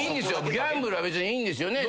ギャンブルは別にいいんですよね。